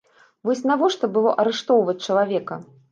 Вось навошта было арыштоўваць чалавека?